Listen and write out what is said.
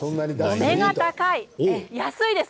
お目が高いな、安いです。